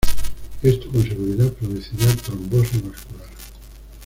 Esto con seguridad producirá trombosis vascular.